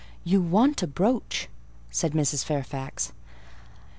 "You want a brooch," said Mrs. Fairfax.